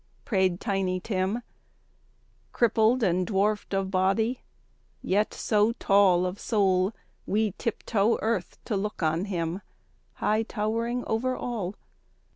" prayed Tiny Tim, Crippled, and dwarfed of body, yet so tall Of soul, we tiptoe earth to look on him, High towering over all.